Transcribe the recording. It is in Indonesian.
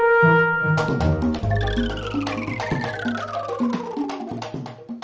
tidak kang gobang